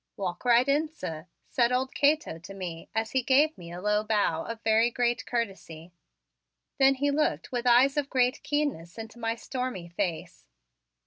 "Walk right in, sir," said old Cato to me as he gave a low bow of very great courtesy. Then he looked with eyes of great keenness into my stormy face.